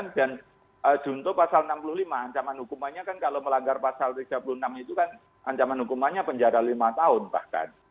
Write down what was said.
dan junto pasal enam puluh lima ancaman hukumannya kan kalau melanggar pasal tiga puluh enam itu kan ancaman hukumannya penjara lima tahun bahkan